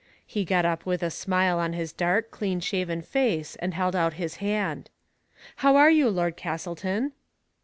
He got up with asmile on his dark, clean shaven face and held out his hand. " How are you, Lord Castleton